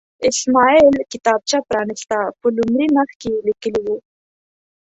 اسماعیل کتابچه پرانسته، په لومړي مخ یې لیکلي وو.